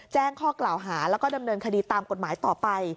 แจ้งข้อกล่าวหาแล้วก็ดำเนินคดีตามกฎหมายต่อไป